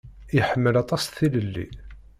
Iḥemmel aṭas tilelli.